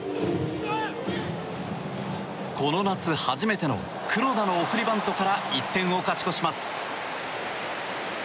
この夏初めての黒田の送りバントから１点を勝ち越します。